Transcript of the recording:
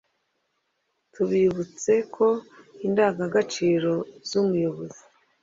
tubibutse ko indangagaciro z’umuyobozi